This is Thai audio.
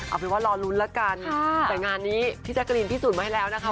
เอาเป็นว่ารอลุ้นละกันแต่งานนี้พี่แจ๊กรีนพิสูจนมาให้แล้วนะคะ